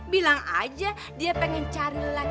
bilang aja dia pengen cari lagi